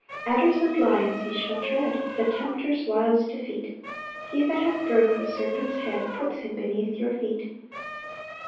5 Adders and lions ye shall tread; The tempter's wiles defeat; He that hath broke the serpent's head Puts him beneath your feet.